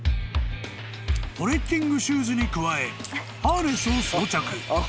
［トレッキングシューズに加えハーネスを装着］